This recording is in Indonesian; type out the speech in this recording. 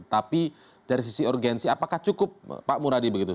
tapi dari sisi urgensi apakah cukup pak muradi begitu